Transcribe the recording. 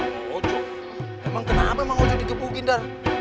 memang kenapa mau jadi kebukinda